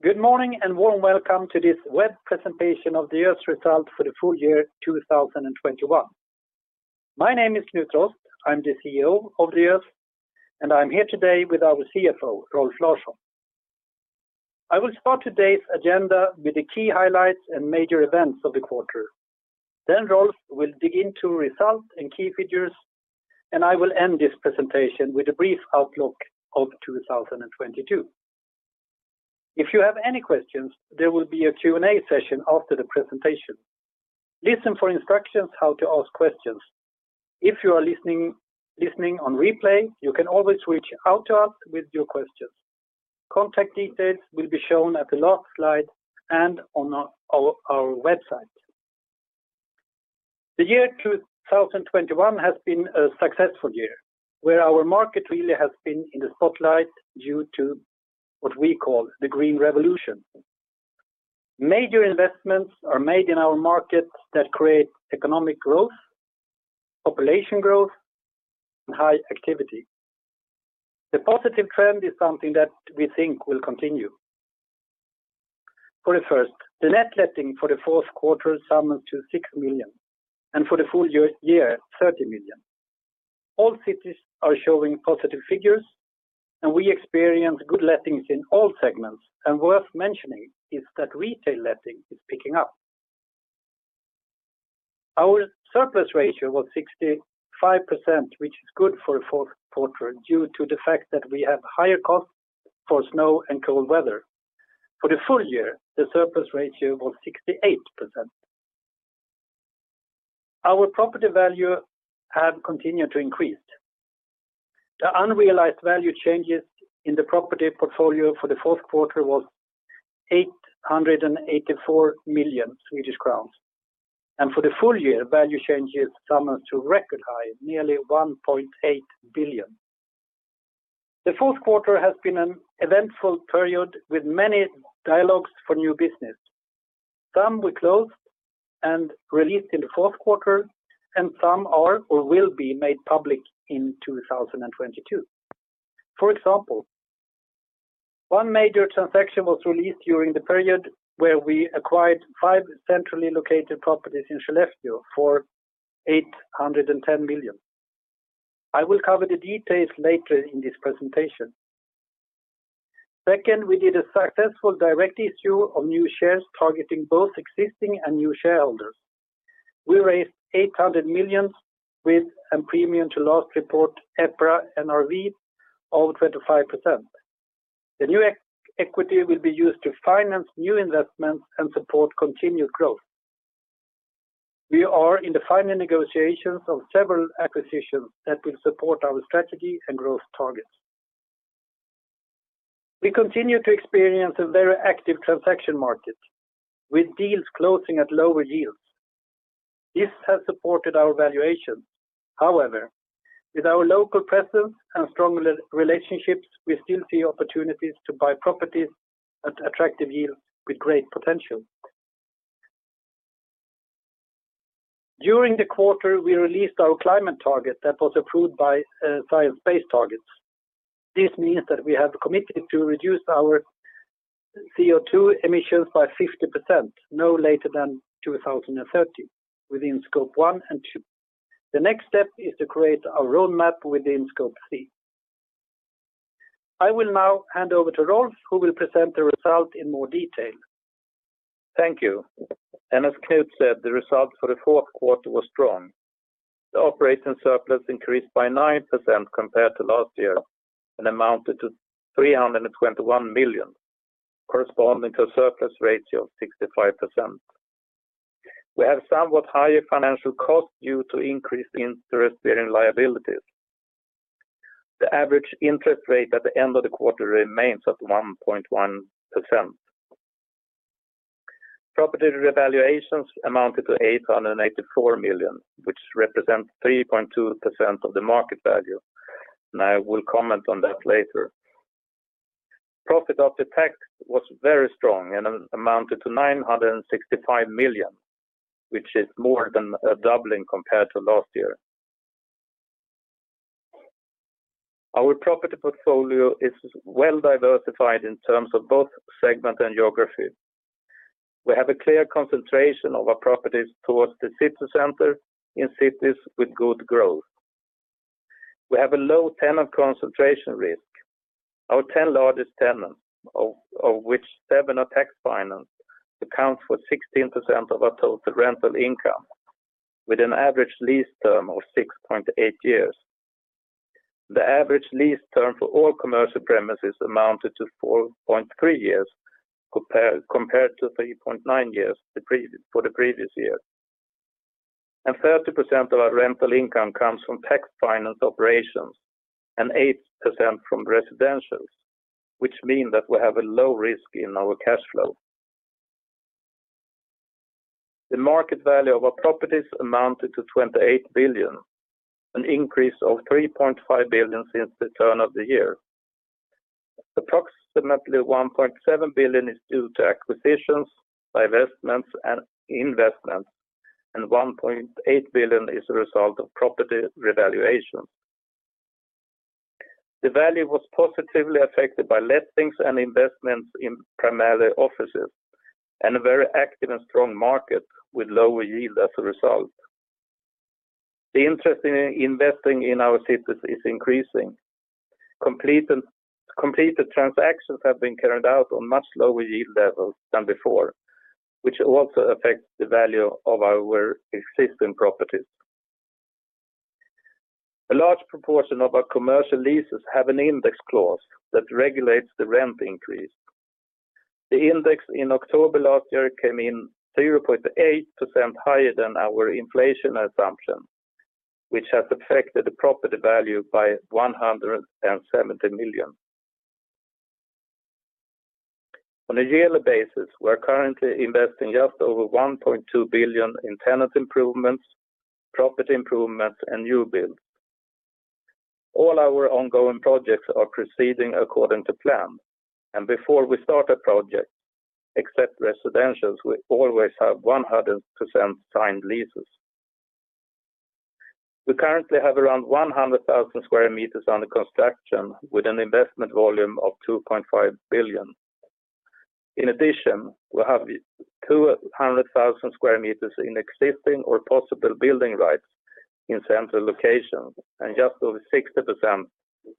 Good morning, and warm welcome to this web presentation of the year's result for the full year 2021. My name is Knut Rost. I'm the CEO of Diös, and I'm here today with our CFO, Rolf Larsson. I will start today's agenda with the key highlights and major events of the quarter. Then Rolf will dig into results and key figures, and I will end this presentation with a brief outlook of 2022. If you have any questions, there will be a Q&A session after the presentation. Listen for instructions how to ask questions. If you are listening on replay, you can always reach out to us with your questions. Contact details will be shown at the last slide and on our website. The year 2021 has been a successful year, where our market really has been in the spotlight due to what we call the green revolution. Major investments are made in our markets that create economic growth, population growth, and high activity. The positive trend is something that we think will continue. For the first, the net letting for the fourth quarter amounts to 6 million, and for the full year, 30 million. All cities are showing positive figures, and we experience good lettings in all segments. Worth mentioning is that retail letting is picking up. Our surplus ratio was 65%, which is good for a fourth quarter due to the fact that we have higher costs for snow and cold weather. For the full year, the surplus ratio was 68%. Our property value have continued to increase. The unrealized value changes in the property portfolio for the fourth quarter was 884 million Swedish crowns. For the full year, value changes amounted to a record high of nearly 1.8 billion. The fourth quarter has been an eventful period with many dialogues for new business. Some were closed and leased in the fourth quarter, and some are or will be made public in 2022. For example, one major transaction was closed during the period where we acquired five centrally located properties in Skellefteå for 810 million. I will cover the details later in this presentation. Second, we did a successful direct issue of new shares targeting both existing and new shareholders. We raised 800 million with a premium to last report, EPRA NRV of 25%. The new equity will be used to finance new investments and support continued growth. We are in the final negotiations of several acquisitions that will support our strategy and growth targets. We continue to experience a very active transaction market with deals closing at lower yields. This has supported our valuation. However, with our local presence and strong relationships, we still see opportunities to buy properties at attractive yields with great potential. During the quarter, we released our climate target that was approved by Science Based Targets. This means that we have committed to reduce our CO2 emissions by 50% no later than 2030 within Scope 1 and Scope 2. The next step is to create a roadmap within Scope 3. I will now hand over to Rolf, who will present the result in more detail. Thank you. As Knut said, the result for the fourth quarter was strong. The operating surplus increased by 9% compared to last year and amounted to 321 million, corresponding to a surplus ratio of 65%. We have somewhat higher financial costs due to increased interest-bearing liabilities. The average interest rate at the end of the quarter remains at 1.1%. Property revaluations amounted to 884 million, which represents 3.2% of the market value. I will comment on that later. Profit after tax was very strong and amounted to 965 million, which is more than doubling compared to last year. Our property portfolio is well-diversified in terms of both segment and geography. We have a clear concentration of our properties towards the city center in cities with good growth. We have a low tenant concentration risk. Our 10 largest tenants, of which seven are tax-financed, account for 16% of our total rental income with an average lease term of 6.8 years. The average lease term for all commercial premises amounted to 4.3 years compared to 3.9 years for the previous year. Thirty percent of our rental income comes from tax-financed operations and 8% from residentials, which mean that we have a low risk in our cash flow. The market value of our properties amounted to 28 billion, an increase of 3.5 billion since the turn of the year. Approximately 1.7 billion is due to acquisitions, divestments, and investments, and 1.8 billion is a result of property revaluations. The value was positively affected by lettings and investments in primarily offices and a very active and strong market with lower yield as a result. The interest in investing in our cities is increasing. Completed transactions have been carried out on much lower yield levels than before, which also affects the value of our existing properties. A large proportion of our commercial leases have an index clause that regulates the rent increase. The index in October last year came in 0.8% higher than our inflation assumption, which has affected the property value by 170 million. On a yearly basis, we are currently investing just over 1.2 billion in tenant improvements, property improvements and new builds. All our ongoing projects are proceeding according to plan and before we start a project, except residentials, we always have 100% signed leases. We currently have around 100,000 sq mi under construction with an investment volume of 2.5 billion. In addition, we have 200,000 sq mi in existing or possible building rights in central locations and just over 60%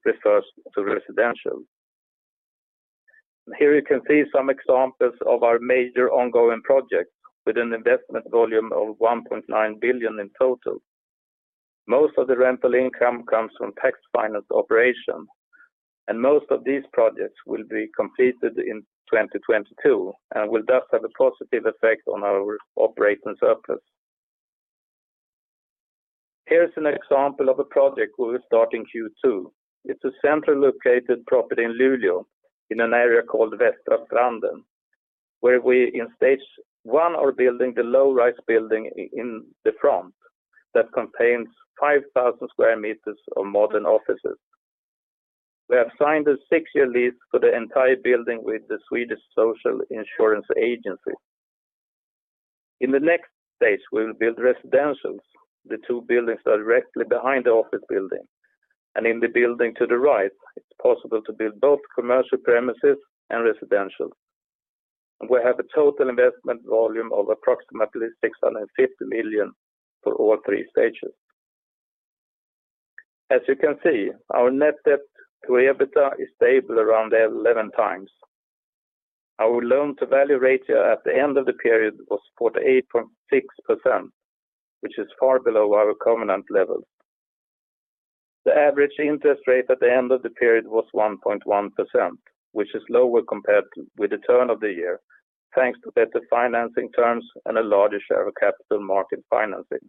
refers to residential. Here you can see some examples of our major ongoing projects with an investment volume of 1.9 billion in total. Most of the rental income comes from tax-financed operations and most of these projects will be completed in 2022 and will thus have a positive effect on our operating surplus. Here is an example of a project we will start in Q2. It's a centrally located property in Luleå in an area called Västra Stranden where we in stage one are building the low-rise building in the front that contains 5,000 sq mi of modern offices. We have signed a six-year lease for the entire building with the Swedish Social Insurance Agency. In the next stage, we will build residentials. The two buildings are directly behind the office building and in the building to the right, it's possible to build both commercial premises and residentials. We have a total investment volume of approximately 650 million for all three stages. As you can see, our net debt to EBITDA is stable around 11 times. Our loan-to-value ratio at the end of the period was 48.6%, which is far below our covenant level. The average interest rate at the end of the period was 1.1%, which is lower compared with the turn of the year thanks to better financing terms and a larger share of capital market financing.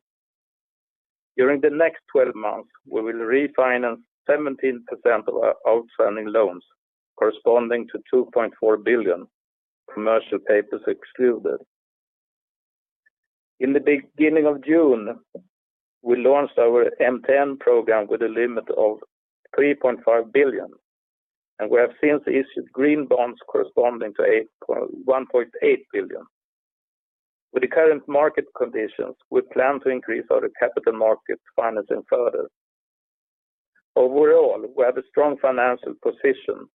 During the next 12 months, we will refinance 17% of our outstanding loans corresponding to 2.4 billion, commercial paper excluded. In the beginning of June, we launched our MTN program with a limit of 3.5 billion and we have since issued green bonds corresponding to 1.8 billion. With the current market conditions, we plan to increase our capital market financing further. Overall, we have a strong financial position.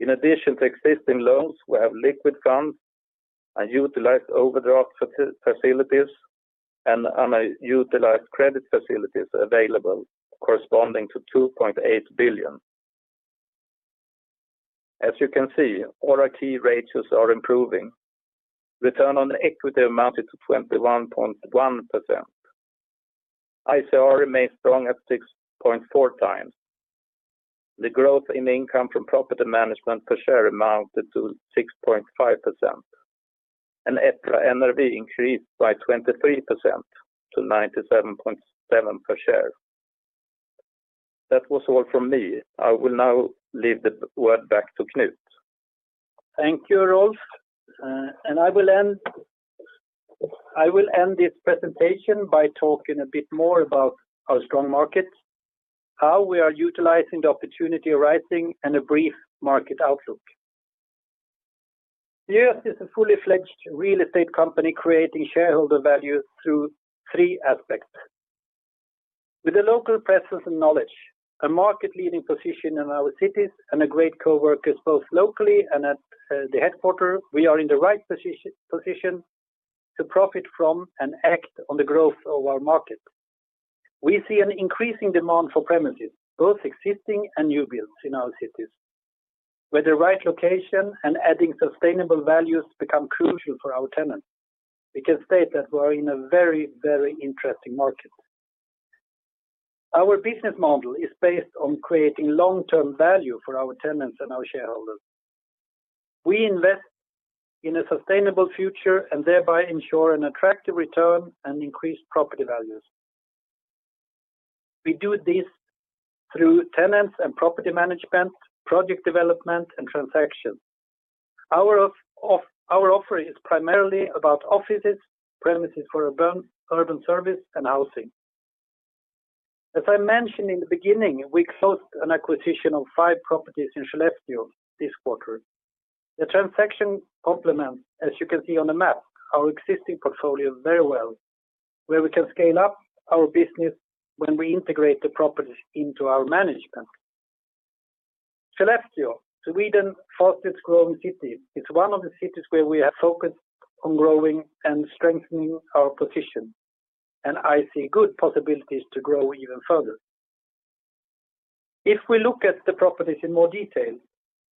In addition to existing loans, we have liquid funds and utilized overdraft facilities and unutilized credit facilities available corresponding to 2.8 billion. As you can see, all our key ratios are improving. Return on equity amounted to 21.1%. ICR remains strong at 6.4 times. The growth in income from property management per share amounted to 6.5% and EPRA NRV increased by 23% to 97.7 per share. That was all from me. I will now leave the word back to Knut. Thank you, Rolf. I will end this presentation by talking a bit more about our strong markets, how we are utilizing the opportunity arising and a brief market outlook. Diös is a full-fledged real estate company creating shareholder value through three aspects. With a local presence and knowledge, a market-leading position in our cities and great coworkers both locally and at the headquarters, we are in the right position to profit from and act on the growth of our markets. We see an increasing demand for premises, both existing and new builds in our cities. With the right location and adding sustainable values become crucial for our tenants. We can state that we are in a very, very interesting market. Our business model is based on creating long-term value for our tenants and our shareholders. We invest in a sustainable future and thereby ensure an attractive return and increased property values. We do this through tenants and property management, project development and transactions. Our offering is primarily about offices, premises for urban service and housing. As I mentioned in the beginning, we closed an acquisition of five properties in Skellefteå this quarter. The transaction complements, as you can see on the map, our existing portfolio very well where we can scale up our business when we integrate the properties into our management. Skellefteå, Sweden's fastest-growing city, is one of the cities where we have focused on growing and strengthening our position, and I see good possibilities to grow even further. If we look at the properties in more detail,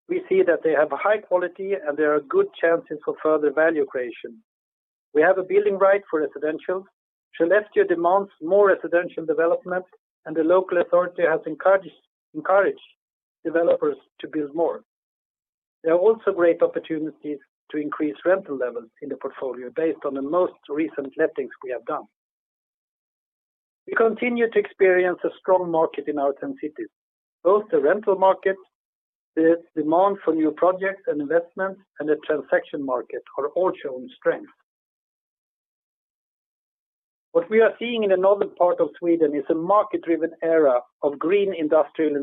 we see that they have a high quality and there are good chances for further value creation. We have a building right for residential. Skellefteå demands more residential development, and the local authority has encouraged developers to build more. There are also great opportunities to increase rental levels in the portfolio based on the most recent lettings we have done. We continue to experience a strong market in our 10 cities. Both the rental market, the demand for new projects and investments, and the transaction market are all showing strength. What we are seeing in the northern part of Sweden is a market-driven era of green industrial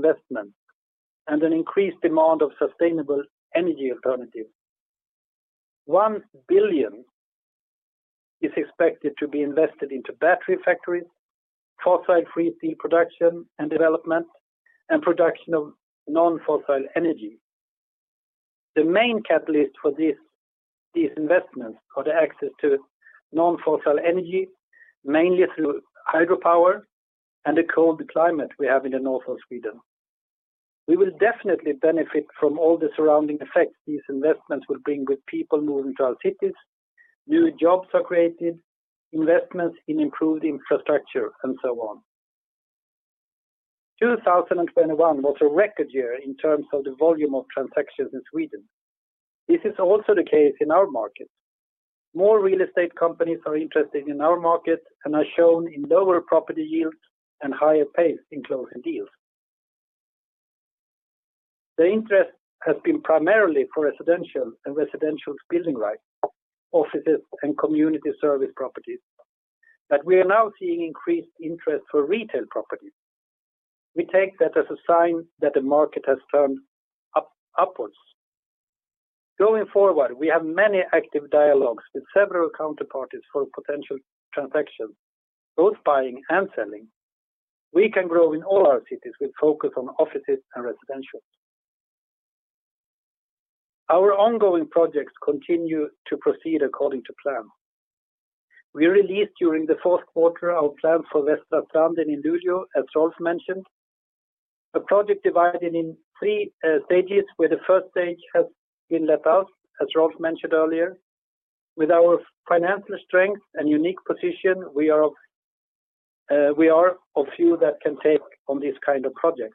investment and an increased demand of sustainable energy alternatives. 1 billion is expected to be invested into battery factories, fossil-free steel production and development, and production of non-fossil energy. The main catalyst for this, these investments are the access to non-fossil energy, mainly through hydropower and the cold climate we have in the north of Sweden. We will definitely benefit from all the surrounding effects these investments will bring with people moving to our cities. New jobs are created, investments in improved infrastructure, and so on. 2021 was a record year in terms of the volume of transactions in Sweden. This is also the case in our market. More real estate companies are interested in our market and are shown in lower property yields and higher pace in closing deals. The interest has been primarily for residential and residential building rights, offices and community service properties. We are now seeing increased interest for retail properties. We take that as a sign that the market has turned upwards. Going forward, we have many active dialogues with several counterparties for potential transactions, both buying and selling. We can grow in all our cities with focus on offices and residential. Our ongoing projects continue to proceed according to plan. We released during the fourth quarter our plan for Västra Stranden in Luleå, as Rolf mentioned. A project divided in three stages, where the first stage has been let out, as Rolf mentioned earlier. With our financial strength and unique position, we are a few that can take on this kind of project.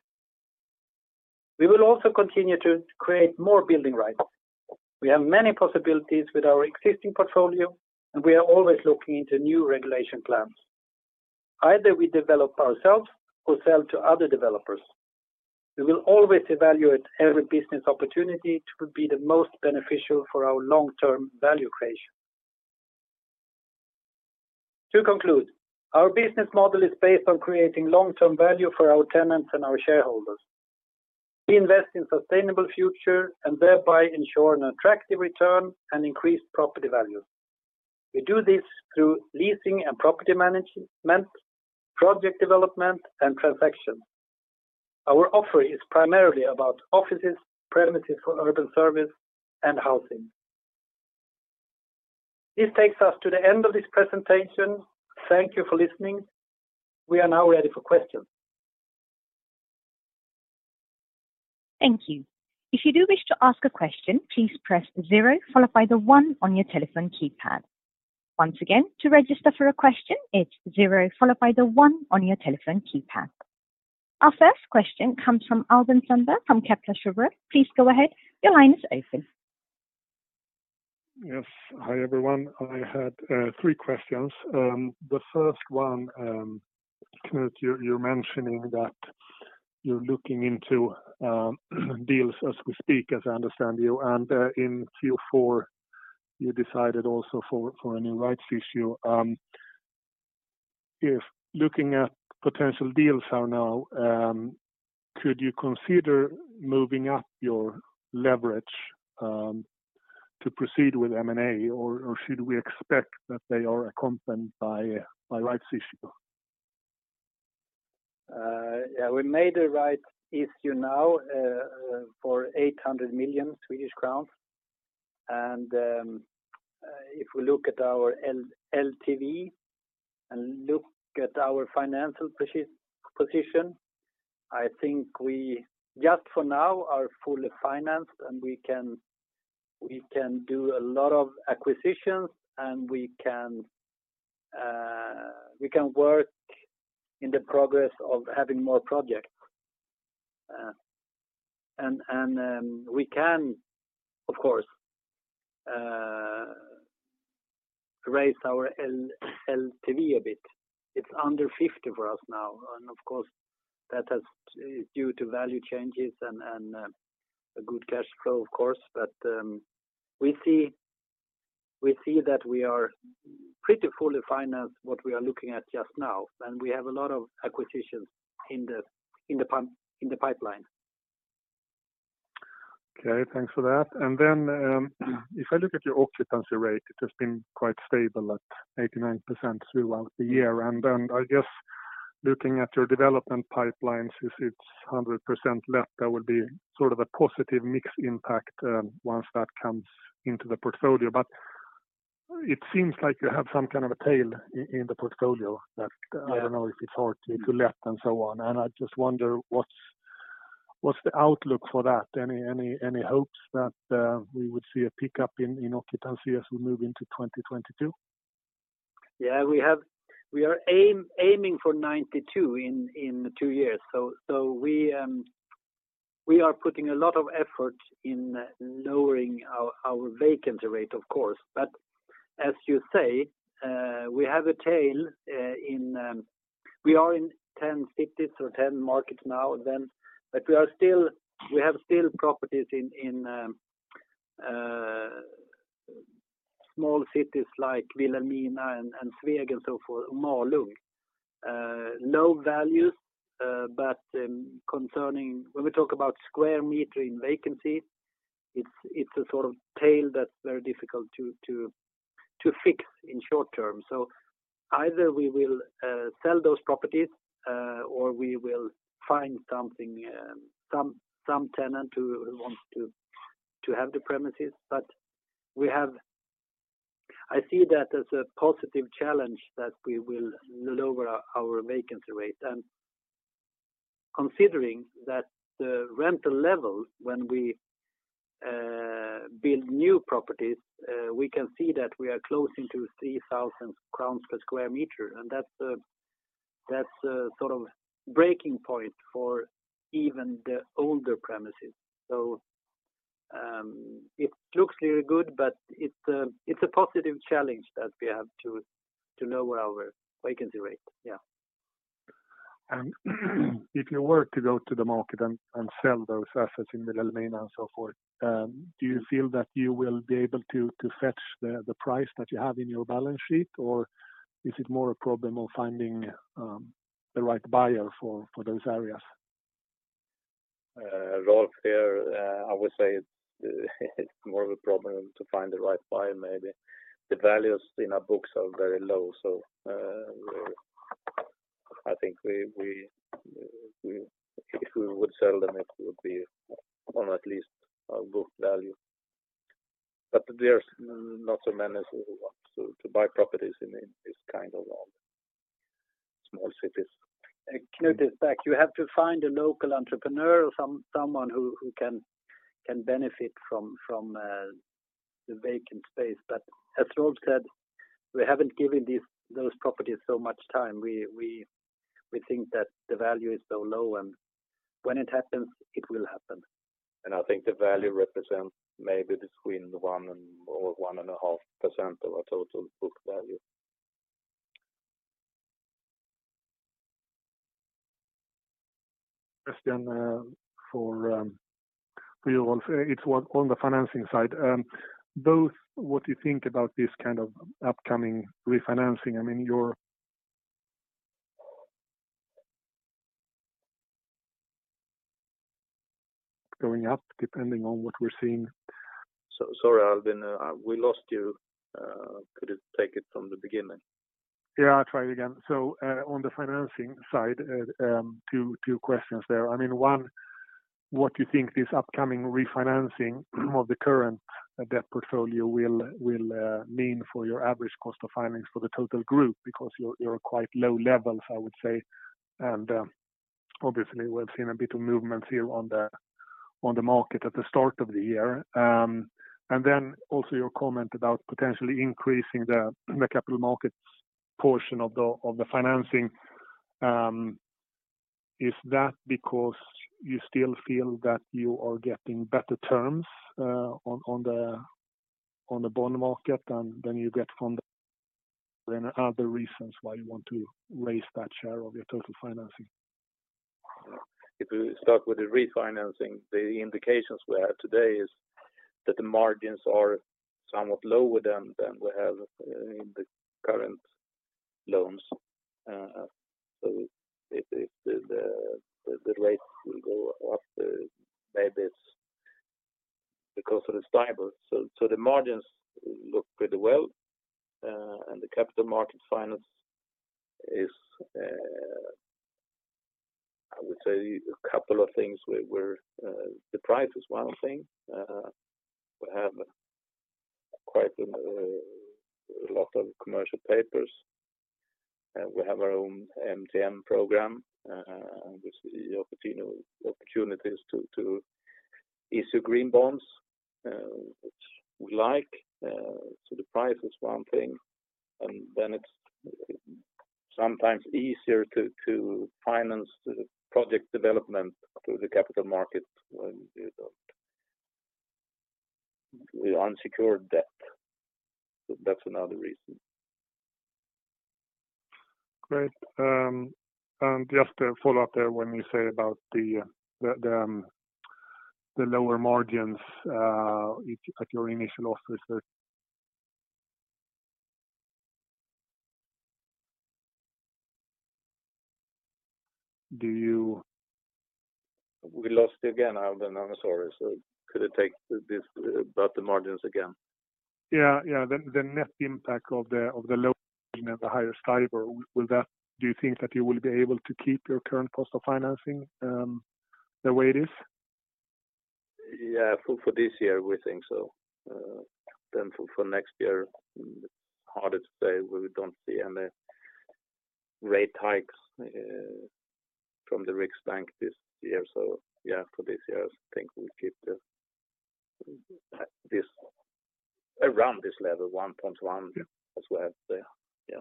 We will also continue to create more building rights. We have many possibilities with our existing portfolio, and we are always looking into new regulation plans. Either we develop ourselves or sell to other developers. We will always evaluate every business opportunity to be the most beneficial for our long-term value creation. To conclude, our business model is based on creating long-term value for our tenants and our shareholders. We invest in sustainable future and thereby ensure an attractive return and increased property value. We do this through leasing and property management, project development, and transactions. Our offer is primarily about offices, premises for urban service, and housing. This takes us to the end of this presentation. Thank you for listening. We are now ready for questions. Thank you. Our first question comes from Albin Sandberg from Kepler Cheuvreux. Please go ahead. Your line is open. Yes. Hi, everyone. I had three questions. The first one, Knut, you're mentioning that you're looking into deals as we speak, as I understand you. In Q4 you decided also for a new rights issue. If looking at potential deals for now, could you consider moving up your leverage to proceed with M&A? Or should we expect that they are accompanied by a rights issue? Yeah, we made a rights issue now for SEK 800 million. If we look at our LTV and look at our financial position, I think we just for now are fully financed, and we can do a lot of acquisitions, and we can work in the progress of having more projects. We can, of course, raise our LTV a bit. It's under 50 for us now. Of course, that has due to value changes and a good cash flow, of course. We see that we are pretty fully financed what we are looking at just now, and we have a lot of acquisitions in the pipeline. Okay, thanks for that. If I look at your occupancy rate, it has been quite stable at 89% throughout the year. I guess looking at your development pipelines, if it's 100% left, that would be sort of a positive mix impact, once that comes into the portfolio. It seems like you have some kind of a tail in the portfolio that- Yeah I don't know if it's hard to let and so on. I just wonder what's the outlook for that? Any hopes that we would see a pickup in occupancy as we move into 2022? Yeah, we are aiming for 92 in two years. We are putting a lot of effort in lowering our vacancy rate, of course. As you say, we have a tail. We are in 10 cities or 10 markets now then. We have still properties in small cities like Vilhelmina and Sveg and so forth, Malung. Low values, but concerning. When we talk about square meter in vacancy, it's a sort of tail that's very difficult to fix in short term. Either we will sell those properties or we will find something, some tenant who wants to have the premises. I see that as a positive challenge that we will lower our vacancy rate. Considering that the rental level when we build new properties, we can see that we are close to 3,000 crowns per sq mi, and that's a sort of breaking point for even the older premises. It looks really good, but it's a positive challenge that we have to lower our vacancy rate. Yeah. If you were to go to the market and sell those assets in Vilhelmina and so forth, do you feel that you will be able to fetch the price that you have in your balance sheet? Or is it more a problem of finding the right buyer for those areas? Rolf here. I would say it's more of a problem to find the right buyer maybe. The values in our books are very low. I think if we would sell them, it would be on at least our book value. There's not so many who want to buy properties in this kind of small cities. Knut is back. You have to find a local entrepreneur or someone who can benefit from the vacant space. As Rolf said, we haven't given those properties so much time. We think that the value is so low, and when it happens, it will happen. I think the value represents maybe between 1% and 1.5% of our total book value. Question for you, Rolf. It's what on the financing side, both what you think about this kind of upcoming refinancing. I mean, your going up depending on what we're seeing. Sorry, Albin, we lost you. Could you take it from the beginning? Yeah, I'll try it again. On the financing side, two questions there. I mean, one, what you think this upcoming refinancing of the current debt portfolio will mean for your average cost of finance for the total group? Because you're quite low levels, I would say. Obviously, we've seen a bit of movements here on the market at the start of the year. Also your comment about potentially increasing the capital markets portion of the financing. Is that because you still feel that you are getting better terms on the bond market than you get from the other reasons why you want to raise that share of your total financing? If we start with the refinancing, the indications we have today is that the margins are somewhat lower than we have in the current loans. If the rate will go up, maybe it's because of the STIBOR. The margins look pretty well. The capital market finance is, I would say a couple of things, the price is one thing. We have quite a lot of commercial paper. We have our own MTN program, and this is the opportunities to issue green bonds, which we like. The price is one thing, and then it's sometimes easier to finance the project development through the capital market with unsecured debt. That's another reason. Great. Just a follow-up there when you say about the lower margins at your initial offer. Do you- We lost it again. I'm not sorry. Could it take this about the margins again? Yeah, yeah. The net impact of the low and the higher STIBOR, do you think that you will be able to keep your current cost of financing the way it is? Yeah. For this year, we think so. For next year, harder to say. We don't see any rate hikes from the Riksbank this year. Yeah, for this year, I think we keep this around this level, 1.1 as well. Yeah.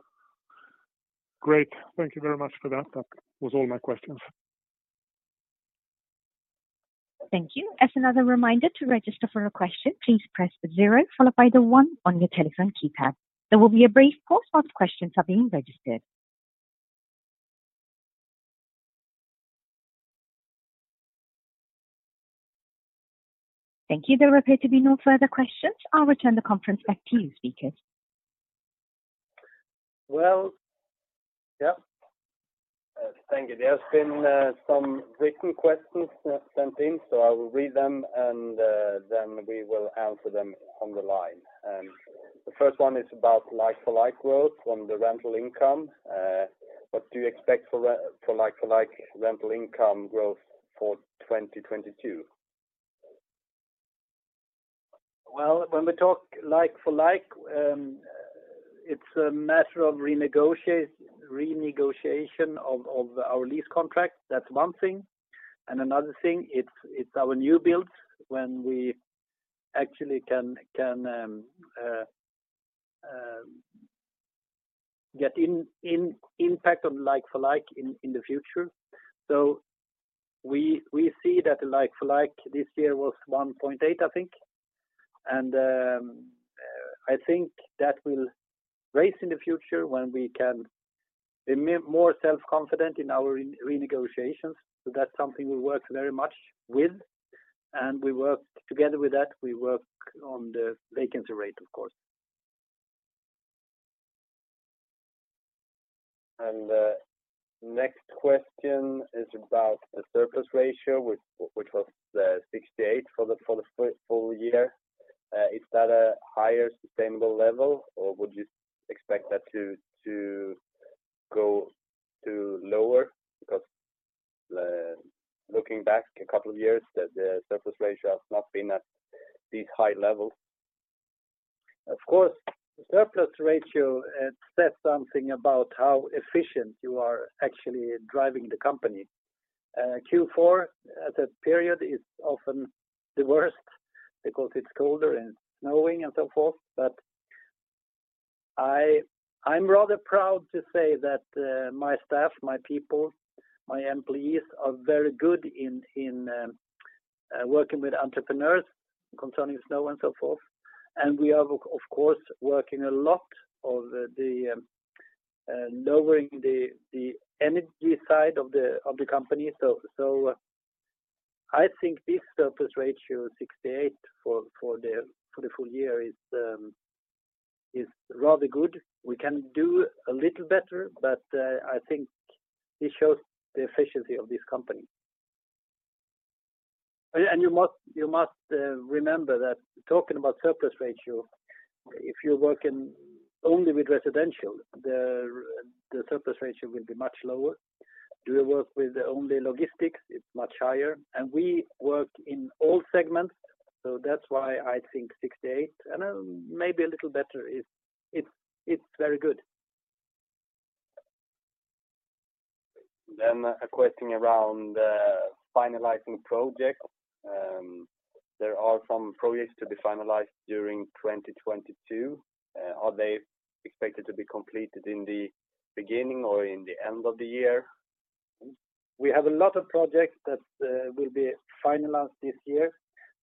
Great. Thank you very much for that. That was all my questions. Thank you. As another reminder to register for a question, please press the 0 followed by the one on your telephone keypad. There will be a brief pause while questions are being registered. Thank you. There appear to be no further questions. I'll return the conference back to the speakers. Well, yeah. Thank you. There's been some written questions sent in, so I will read them, and then we will answer them on the line. The first one is about like-for-like growth on the rental income. What do you expect for like-for-like rental income growth for 2022? Well, when we talk like-for-like, it's a matter of renegotiation of our lease contracts. That's one thing. Another thing, it's our new builds when we actually can get an impact on like-for-like in the future. We see that like-for-like this year was 1.8%, I think. I think that will rise in the future when we can be more self-confident in our renegotiations. That's something we work very much with, and we work together with that. We work on the vacancy rate, of course. The next question is about the surplus ratio, which was 68% for the full year. Is that a higher sustainable level, or would you expect that to go lower? Because looking back a couple of years, the surplus ratio has not been at this high level. Of course, the surplus ratio says something about how efficient you are actually driving the company. Q4 as a period is often the worst because it's colder and snowing and so forth. I'm rather proud to say that my staff, my people, my employees are very good in working with entrepreneurs concerning snow and so forth. We are of course working a lot of the lowering the energy side of the company. I think this surplus ratio 68% for the full year is rather good. We can do a little better, but I think it shows the efficiency of this company. You must remember that talking about surplus ratio, if you're working only with residential, the surplus ratio will be much lower. Do you work with only logistics? It's much higher. We work in all segments. That's why I think 68 and maybe a little better is. It's very good. A question around finalizing projects. There are some projects to be finalized during 2022. Are they expected to be completed in the beginning or in the end of the year? We have a lot of projects that will be finalized this year,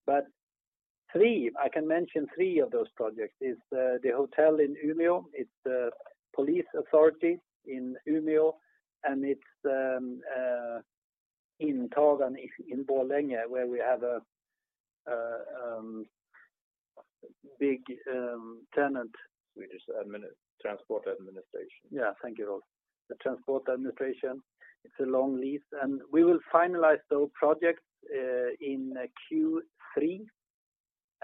but I can mention three of those projects is the hotel in Umeå, it's the police authority in Umeå, and it's in Tågan in Borlänge where we have a big tenant. Swedish Transport Administration. Yeah. Thank you, Rolf. The transport administration, it's a long lease, and we will finalize those projects in Q3.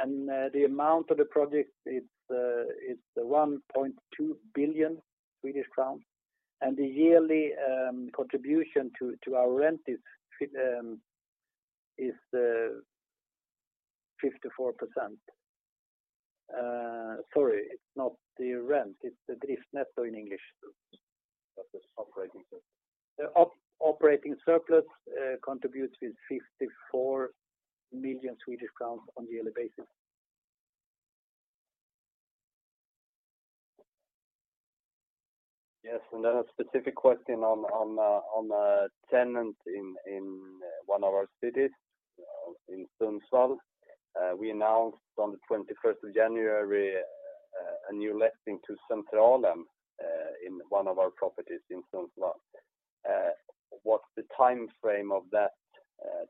The amount of the project is 1.2 billion Swedish crowns. The yearly contribution to our rent is 54%. Sorry, it's not the rent, it's the driftnetto in English. That is operating surplus. The operating surplus contributes with 54 million Swedish crowns on yearly basis. Yes. Then a specific question on a tenant in one of our cities in Sundsvall. We announced on the 21st of January a new letting to Centralen in one of our properties in Sundsvall. What's the timeframe of that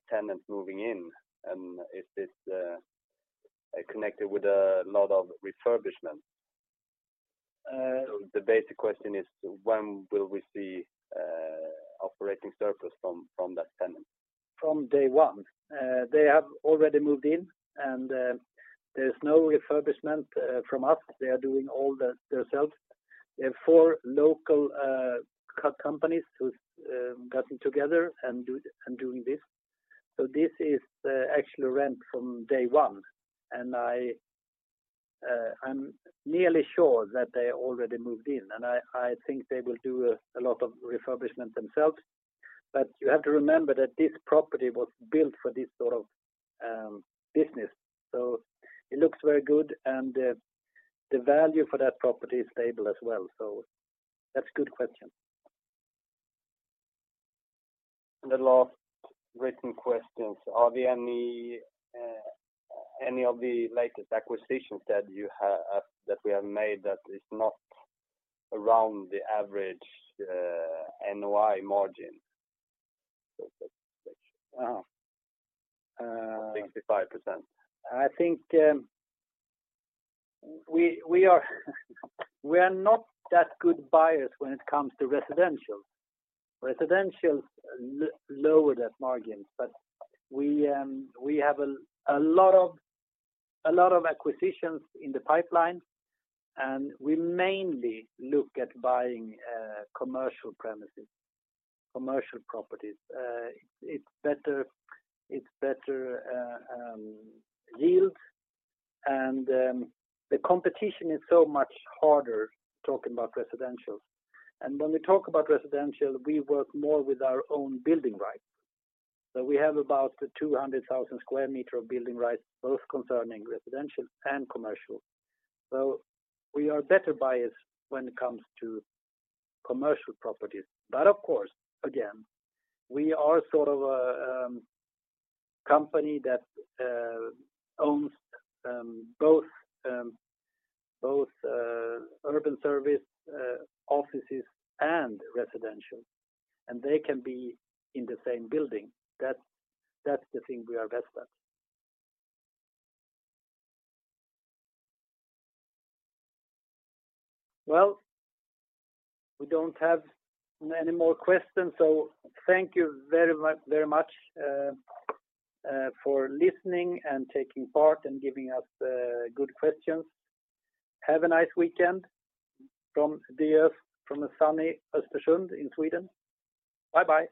tenant moving in, and is this connected with a lot of refurbishment? Uh- The basic question is when will we see operating surplus from that tenant? From day one. They have already moved in and, there's no refurbishment from us. They are doing all that themselves. They have four local companies who have gotten together and doing this. This is actually rent from day one. I'm nearly sure that they already moved in, and I think they will do a lot of refurbishment themselves. You have to remember that this property was built for this sort of business, so it looks very good and the value for that property is stable as well. That's a good question. The last written questions. Are there any of the latest acquisitions that we have made that is not around the average NOI margin? Uh. 65%. I think we are not that good buyers when it comes to residential, lower that margin. We have a lot of acquisitions in the pipeline, and we mainly look at buying commercial premises, commercial properties. It's better yield and the competition is so much harder talking about residential. When we talk about residential, we work more with our own building rights. We have about 200,000 sq mi of building rights, both concerning residential and commercial. We are better buyers when it comes to commercial properties. Of course, again, we are sort of a company that owns both urban service offices and residential, and they can be in the same building. That's the thing we are best at. Well, we don't have any more questions, so thank you very much for listening and taking part and giving us good questions. Have a nice weekend from DF, from a sunny Östersund in Sweden. Bye-bye.